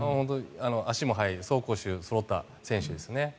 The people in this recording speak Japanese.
足も速いので走攻守がそろった選手ですね。